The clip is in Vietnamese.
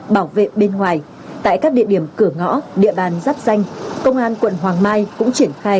bảo vệ bên ngoài tại các địa điểm cửa ngõ địa bàn giáp danh công an quận hoàng mai cũng triển khai